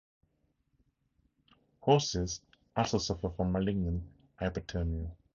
Horses also suffer from malignant hyperthermia.